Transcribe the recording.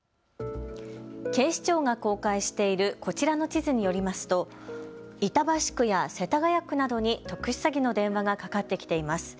警視庁が公開しているこちらの地図によりますと板橋区や世田谷区などに特殊詐欺の電話がかかってきています。